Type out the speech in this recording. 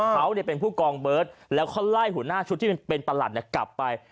เขาเป็นผู้กองเบิร์ตแล้วเขาไล่หัวหน้าชุดที่เป็นประหลัดกลับไป